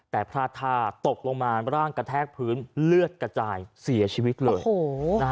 แต่พลาดท่าตกลงมาร่างกระแทกพื้นเลือดกระจายเสียชีวิตเลยโอ้โหนะฮะ